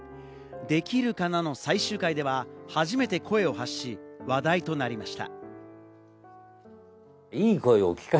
『できるかな』の最終回では、初めて声を発し、話題となりました。